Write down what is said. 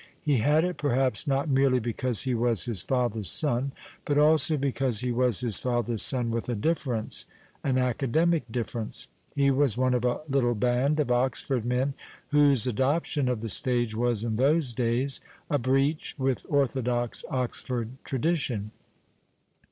He had it perhaps not merely because he was his fathers 1G7 PASTICHE AM) I'UEJUDKE soil, but also because lie was his fatlier's son with a difference, an academic difference ; Jic was one of a little band of Oxford men whose adoption of the stage was, in those days, a breach with orthodox Oxford tradition.